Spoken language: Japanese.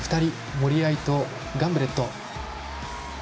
森秋彩と、ガンブレット。